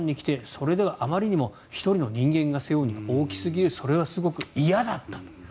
それではあまりにも１人の人間が背負うには大きすぎるそれはすごく嫌だった。